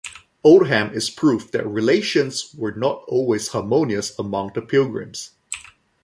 Oldham is proof that relations were not always harmonious among the Pilgrims.